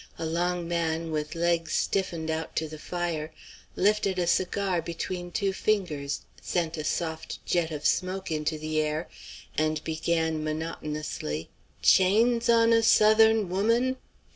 A long man, with legs stiffened out to the fire, lifted a cigar between two fingers, sent a soft jet of smoke into the air, and began monotonously: "'Chains on a Southern woman?